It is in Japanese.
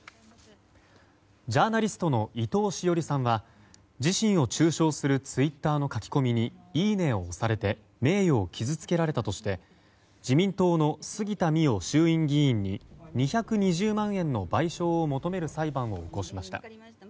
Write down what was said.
ジャーナリストの伊藤詩織さんは自身を中傷するツイッターの書き込みにいいねを押されて名誉を傷つけられたとして自民党の杉田水脈衆院議員に２２０万円の賠償を求める裁判を起こしました。